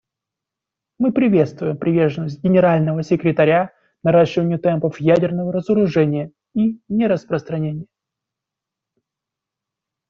Мы приветствуем приверженность Генерального секретаря наращиванию темпов ядерного разоружения и нераспространения.